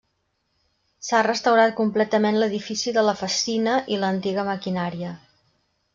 S'ha restaurat completament l'edifici de la Fassina i l'antiga maquinària.